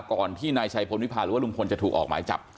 ก่อนที่นายชัยพลวิพาหรือว่าลุงพลจะถูกออกหมายจับ